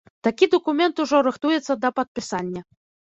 Такі дакумент ужо рыхтуецца да падпісання.